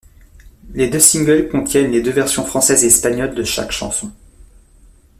Les deux singles contiennent les deux versions française et espagnole de chaque chanson.